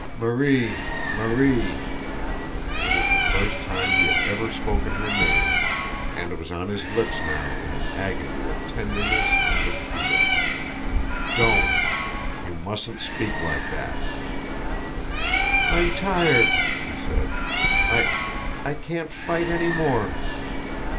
"Marie! Marie!" It was the first time he had ever spoken her name, and it was on his lips now in an agony of tenderness and appeal. "Don't! You mustn't speak like that!" "I'm tired," she said. "I I can't fight any more."